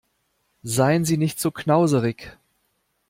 Seien Sie nicht so knauserig!